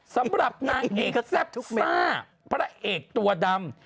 สำหรับนางเอกแซ่บทุกซ่าพระเอกตัวดำ